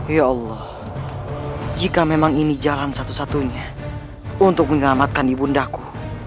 ya allah jika memang ini jalan satu satunya untuk menyelamatkan ibundaku